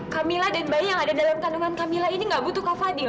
kamila dan bayi yang ada dalam kandungan kamila ini tidak butuh kak fadil